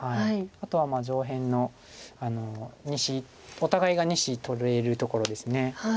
あとは上辺のお互いが２子取れるところです。